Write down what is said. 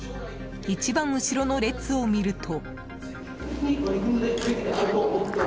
一番後ろの列を見ると。